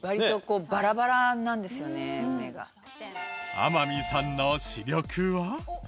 天海さんの視力は？